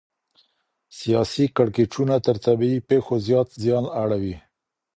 سياسي کړکېچونه تر طبيعي پېښو زيات زيان اړوي.